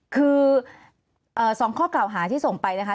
คือ๒ข้อข้อหาที่ส่งไปนะคะ